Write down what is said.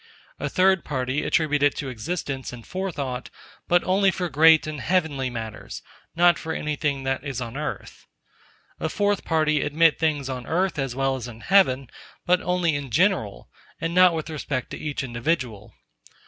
A third party attribute to it existence and forethought, but only for great and heavenly matters, not for anything that is on earth. A fourth party admit things on earth as well as in heaven, but only in general, and not with respect to each individual.